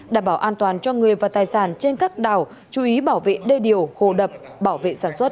đảm bảo an toàn cho người và tài sản trên các đảo chú ý bảo vệ đê điều hồ đập bảo vệ sản xuất